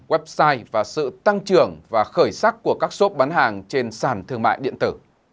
website và sự tăng trưởng và khởi sắc của các shop bán hàng trên sàn thương mại điện tử